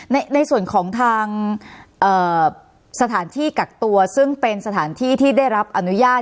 ในส่วนของทางสถานที่กักตัวซึ่งเป็นสถานที่ที่ได้รับอนุญาต